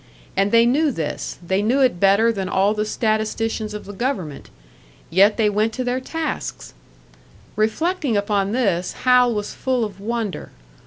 And they knew this, they knew it better than all the statisticians of the government; yet they went to their tasks! Reflecting upon this, Hal was full of wonder.